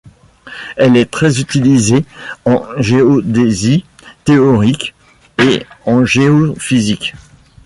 Elle est très utilisée en géodésie théorique et en géophysique.